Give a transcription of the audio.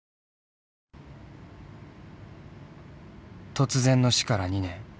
突然の死から２年。